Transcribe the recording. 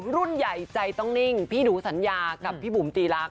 รุ่นใหญ่ใจต้องนิ่งพี่หนูสัญญากับพี่บุ๋มตีรัก